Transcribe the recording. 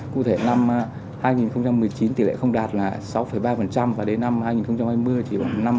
cụ thể năm hai nghìn một mươi chín tỷ lệ không đạt là sáu ba và đến năm hai nghìn hai mươi thì năm tám